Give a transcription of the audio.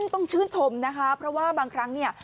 ต้องชื่นชมนะคะเพราะว่าบางครั้งเนี่ย